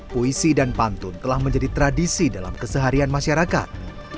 puisi dan pantun telah menjadi tradisi dalam keseharian masyarakat